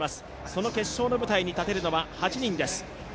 その決勝の舞台に立てるのは８人です。